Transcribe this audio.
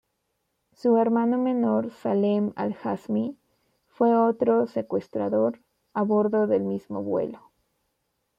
Su hermano menor, Salem al-Hazmi, fue otro secuestrador a bordo del mismo vuelo.